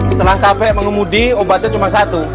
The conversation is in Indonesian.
setelah capek mengemudi obatnya cuma satu